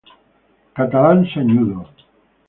Catalán Sañudo.